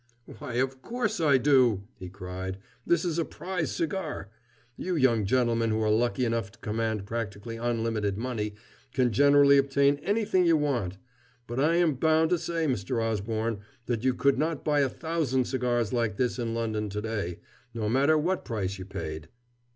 "Why, of course I do," he cried. "This is a prize cigar. You young gentlemen who are lucky enough to command practically unlimited money can generally obtain anything you want, but I am bound to say, Mr. Osborne, that you could not buy a thousand cigars like this in London to day, no matter what price you paid."